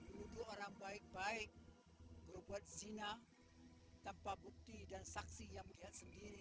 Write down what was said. wudhu orang baik baik berbuat cina tanpa bukti dan saksi yang berdiri sendiri